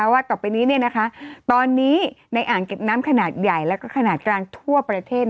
ว่าต่อไปนี้ตอนนี้ในอ่างเก็บน้ำขนาดใหญ่และขนาดกลางทั่วประเทศ